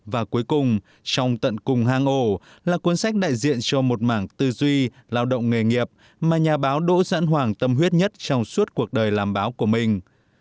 và cuối cùng trong tận cùng hang ổ là cuốn sách đại diện cho một mảng tư duy lao động nghề nghiệp mà nhà báo đỗ dãn hoàng tâm huyết nhất trong suốt cuộc đời làm báo của mình